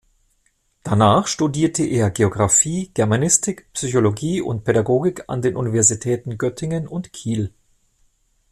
Danach studierte er Geographie, Germanistik, Psychologie und Pädagogik an den Universitäten Göttingen und Kiel.